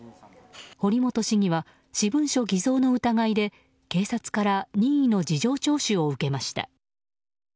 堀本市議は、私文書偽造の疑いで警察から任意の事情聴取を受けました。